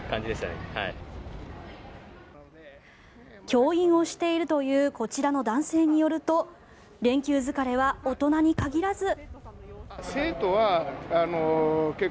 教員をしているというこちらの男性によると連休疲れは大人に限らず。